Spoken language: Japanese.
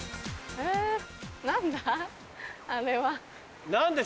え何だ？